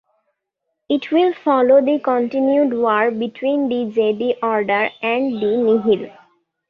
It will follow the continued war between the Jedi Order and the Nihil.